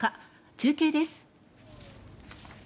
中継です。